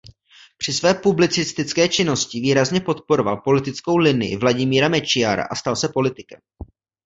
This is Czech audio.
Při své publicistické činnosti výrazně podporoval politickou linii Vladimíra Mečiara a stal se politikem.